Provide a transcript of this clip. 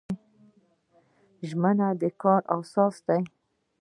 ژمنه د کار اساس دی